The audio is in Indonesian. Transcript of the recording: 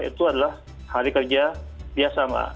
itu adalah hari kerja biasa mbak